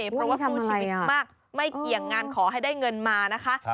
เพราะว่าสู้ชีวิตมากไม่เกี่ยงงานขอให้ได้เงินมานะคะ